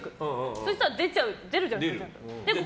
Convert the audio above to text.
そしたら出るじゃないですか。